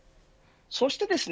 そしてですね